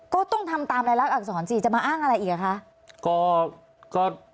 ก็ต้องทำตามรายลักษรสิจะมาอ้างอะไรอีกอ่ะคะ